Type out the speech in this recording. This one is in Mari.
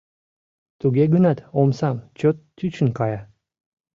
Туге гынат омсам чот тӱчын кая.